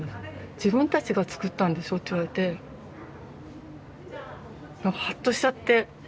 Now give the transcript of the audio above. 「自分たちがつくったんでしょ」って言われてハッとしちゃって。